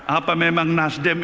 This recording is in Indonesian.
apa memang nasdem